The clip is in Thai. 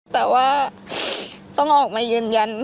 แต่ว่าต้องออกมายืนยัน